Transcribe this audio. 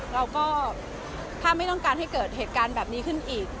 เราก็ถ้าไม่ต้องการให้เกิดเหตุการณ์แบบนี้ขึ้นอีก